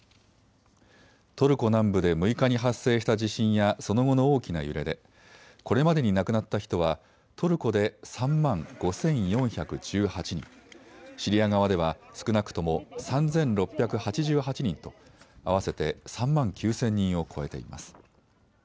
トルコ南部で６日に発生した地震やその後の大きな揺れでこれまでに亡くなった人はトルコで３万５４１８人、シリア側では少なくとも３６８８人と合わせて３万９０００人を超えています。